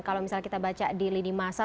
kalau misalnya kita baca di lini masa